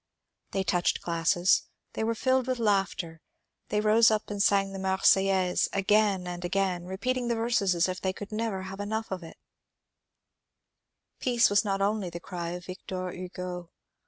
They touched glasses, they were filled with laughter, they rose up and sang the '^ Marseillaise " again and again, repeat ing the verses as if they could never have enough of it. VICTOR HUGO 279 Peace was not only the cry of Victor Hugo.